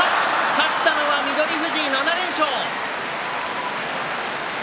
勝ったのは翠富士、７連勝。